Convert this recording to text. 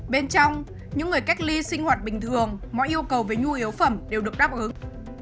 bên trong những người cách ly sinh hoạt bình thường mọi yêu cầu về nhu yếu phẩm đều được đáp ứng